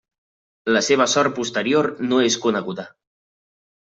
La seva sort posterior no és coneguda.